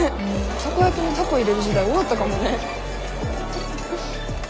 タコ焼きにタコ入れる時代終わったかもね。